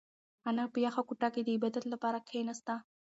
انا په یخه کوټه کې د عبادت لپاره کښېناسته.